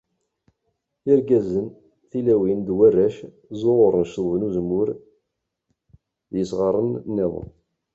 Irgazen, tilawin d warrac zzuɣuren ccḍeb n uzemmur d yisɣaren-nniḍen.